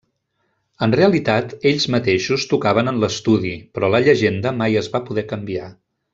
En realitat ells mateixos tocaven en l'estudi, però la llegenda mai es va poder canviar.